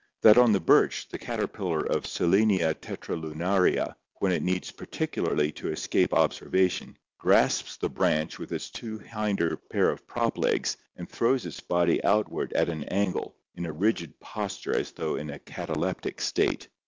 That on the birch, the caterpillar of Selenia tetralunariay when it needs particularly to escape observation, grasps the branch with its two hinder pair of prop legs and throws its body outward at an angle, in a rigid posture as though in a cataleptic state.